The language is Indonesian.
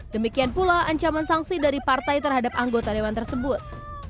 demikian pula ancaman sanksi dari partai terhadap anggota dewan tersebut